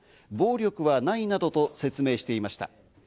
暴力はないなどと説明していました。